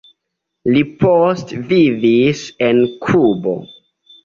Li poste vivis en Kubo.